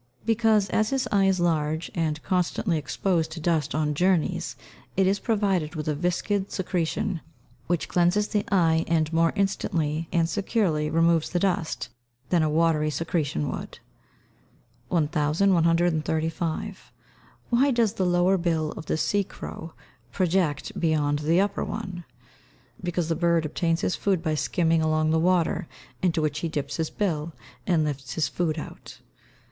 _ Because, as his eye is large, and constantly exposed to dust on journeys, it is provided with a viscid secretion, which cleanses the eye, and more instantly and securely removes the dust, than a watery secretion would. 1135. Why does the lower bill of the sea crow project beyond the upper one? Because the bird obtains his food by skimming along the water, into which he dips his bill, and lifts his food out.